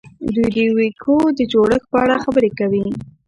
دوی د وییکو د جوړښت په اړه خبرې کوي.